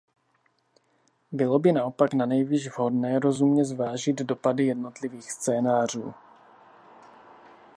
Bylo by naopak nanejvýš vhodné rozumně zvážit dopady jednotlivých scénářů.